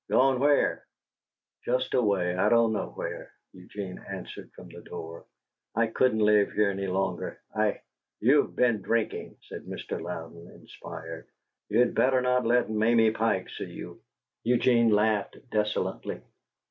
"Gone where?" "Just away. I don't know where," Eugene answered from the door. "I couldn't live here any longer. I " "You've been drinking," said Mr. Louden, inspired. "You'd better not let Mamie Pike see you." Eugene laughed desolately.